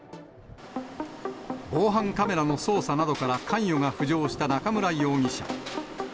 防犯カメラの捜査などから関与が浮上した中村容疑者。